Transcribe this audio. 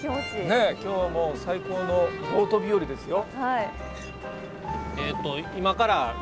ねえ今日もう最高のボート日和ですよ。